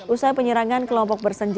usai penyerangan kelompok bersenjata